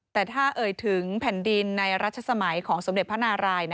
แต่ถ้าเอ่ยถึงแผ่นดินในรัชสมัยของสมเด็จพระนาราย